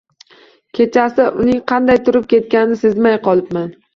Kechasi uning qanday turib ketganini sezmay qolibman.